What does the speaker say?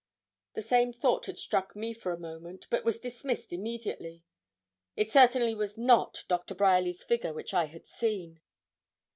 The same thought had struck me for a moment, but was dismissed immediately. It certainly was not Doctor Bryerly's figure which I had seen.